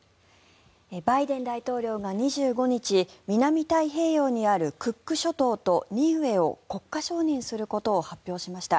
バイデン大統領が２５日南太平洋にあるクック諸島とニウエを国家承認することを発表しました。